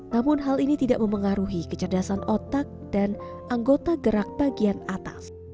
namun hal ini tidak memengaruhi kecerdasan otak dan anggota gerak bagian atas